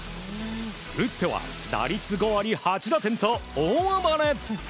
打っては打率５割８打点と大暴れ。